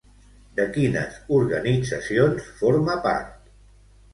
De quines organitzacions forma part?